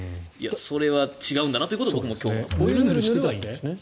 それは違うんだなということを僕も今日知りました。